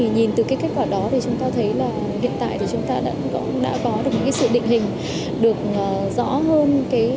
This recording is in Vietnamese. nhìn từ kết quả đó chúng ta thấy hiện tại chúng ta đã có được sự định hình được rõ hơn